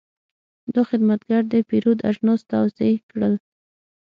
دا خدمتګر د پیرود اجناس توضیح کړل.